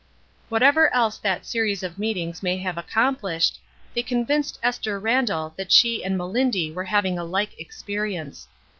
Whatever else that series of meetings may have accomplished, they convinced Esther WHY SHE ^'QUIT'' 311 Randall that she and Melindy were having a like experience.